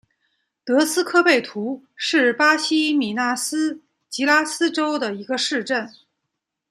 德斯科贝图是巴西米纳斯吉拉斯州的一个市镇。